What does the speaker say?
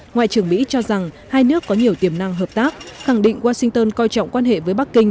ngoại trưởng mỹ cho rằng hai nước có nhiều tiềm năng hợp tác khẳng định washington coi trọng quan hệ với bắc kinh